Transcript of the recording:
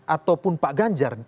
ataupun pak ganjar